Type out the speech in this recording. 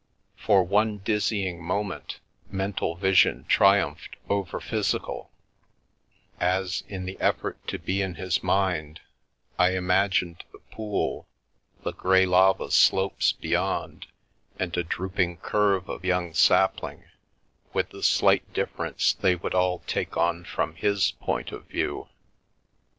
For one dizzying moment, mental vision tri umphed over physical, as, in the effort to be in his mind, I imagined the pool, the grey lava slopes beyond, and a drooping curve of young sapling, with the slight differ ence they would all take on from his point of view.